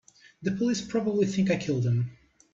The police probably think I killed him.